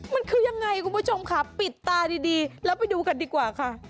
มันคือยังไงคุณผู้ชมค่ะปิดตาดีแล้วไปดูกันดีกว่าค่ะ